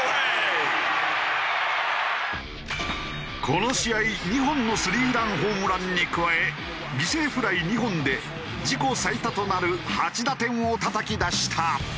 この試合２本の３ランホームランに加え犠牲フライ２本で自己最多となる８打点をたたき出した。